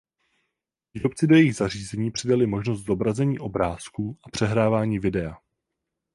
Výrobci do jejich zařízení přidaly možnost zobrazení obrázků a přehrávání videa.